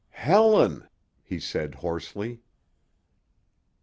"Helen!" he said hoarsely.